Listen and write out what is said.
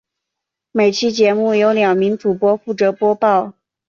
每期节目由两名主播负责播报。